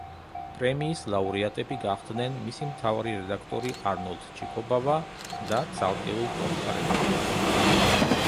პრემიის ლაურეატები გახდნენ მისი მთავარი რედაქტორი არნოლდ ჩიქობავა და ცალკეულ ტომთა რედაქტორები.